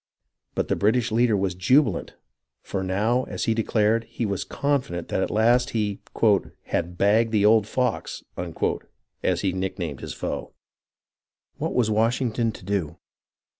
But the British leader was jubi lant, for now, as he declared, he was confident that at last he "had bagged the old fox," as he nicknamed his foe. What was Washington to do